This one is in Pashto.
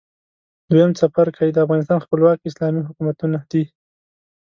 دویم څپرکی د افغانستان خپلواک اسلامي حکومتونه دي.